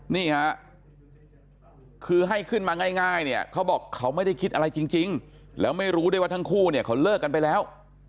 นี่ฮะคือให้ขึ้นมาง่ายเนี่ยเขาบอกเขาไม่ได้คิดอะไรจริงแล้วไม่รู้ได้ว่าทั้งคู่เนี่ยเขาเลิกกันไปแล้ว